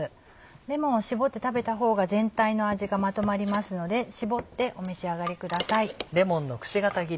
レモンを搾って食べた方が全体の味がまとまりますので搾ってお召し上がりください。